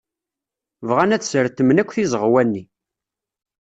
Bɣan ad sretmen akk tizeɣwa-nni.